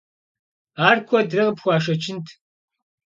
Ар куэдрэ къыпхуашэчынт?